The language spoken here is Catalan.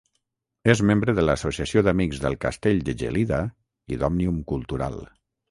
És membre de l'Associació d'Amics del Castell de Gelida i d'Òmnium Cultural.